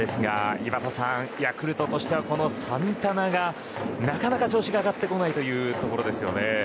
井端さん、ヤクルトとしてはこのサンタナがなかなか調子が上がってこないというところですね。